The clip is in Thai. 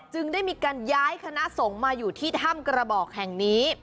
ได้มีการย้ายคณะสงฆ์มาอยู่ที่ถ้ำกระบอกแห่งนี้